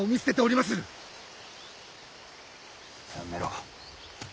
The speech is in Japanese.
やめろ。